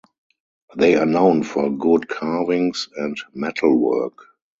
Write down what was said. They are known for good carvings and metalwork.